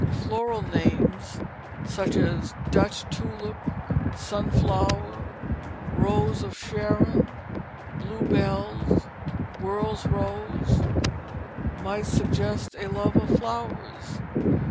Floral names, such as "Dutch Tulip," "Sunflower," "Rose of Sharon," "Bluebells," "World's Rose," might suggest a love of flowers.